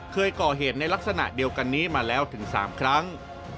เคยก่อเหตุในลักษณะเดียวกันนี้มาแล้วถึง๓ครั้ง